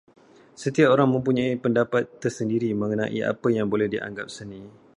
Setiap orang mempunyai pendapat tersendiri mengenai apa yang boleh dianggap seni.